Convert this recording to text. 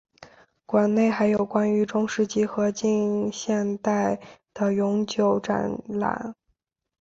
馆内还有关于中世纪和近现代的永久展览。